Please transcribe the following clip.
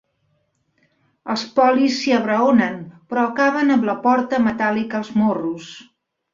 Els polis s'hi abraonen, però acaben amb la porta metàl·lica als morros.